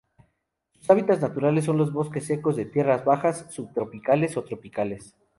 Sus hábitats naturales son los bosques secos de tierras bajas subtropicales o tropicales.